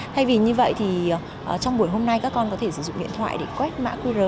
thay vì như vậy thì trong buổi hôm nay các con có thể sử dụng điện thoại để quét mã qr